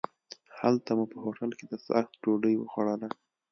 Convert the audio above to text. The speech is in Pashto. هلته مو په هوټل کې د څاښت ډوډۍ وخوړله.